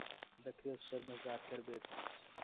دەکرێت شەرمەزارکەر بێت.